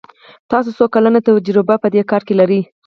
تاسو څو کلن تجربه په دي کار کې لری ؟